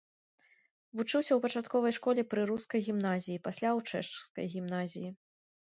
Вучыўся ў пачатковай школе пры рускай гімназіі, пасля ў чэшскай гімназіі.